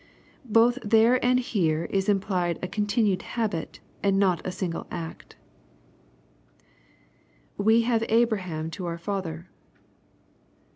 Both there and here is implied a continued habit, and not a single act [We have Abraham to our fatJier.